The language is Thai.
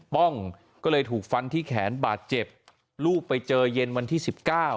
ป้องก็เลยถูกฟันที่แขนบาดเจ็บลูกไปเจอเย็นวันที่สิบเก้า